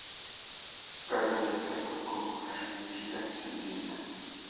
Carga y Asalto como Arremetida Sangrienta.